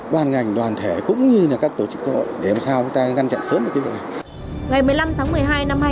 bàn ngành đoàn thể cũng như là các tổ chức xã hội để làm sao chúng ta ngăn chặn sớm được cái vấn đề này